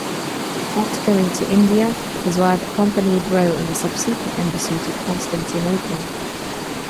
Not going to India, his wife accompanied Roe on the subsequent embassy to Constantinople.